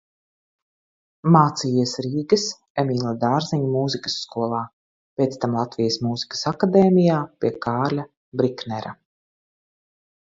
Mācījies Rīgas Emīla Dārziņa Mūzikas skolā, pēc tam Latvijas Mūzikas akadēmijā pie Kārļa Briknera.